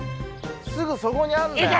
すぐそこにあるんだよ